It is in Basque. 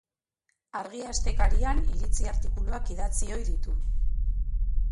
Argia astekarian iritzi-artikuluak idatzi ohi ditu.